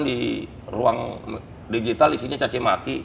di ruang digital isinya cacimaki